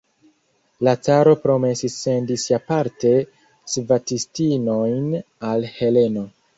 La caro promesis sendi siaparte svatistinojn al Heleno.